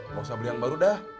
nggak usah beli yang baru dah